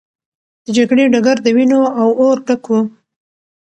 د جګړې ډګر د وینو او اور ډک و.